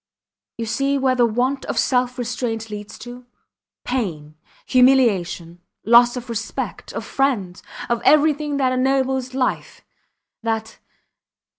You see where the want of self restraint leads to. Pain humiliation loss of respect of friends, of everything that ennobles life, that